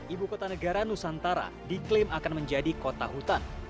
ibu kota negara nusantara diklaim akan menjadi kota hutan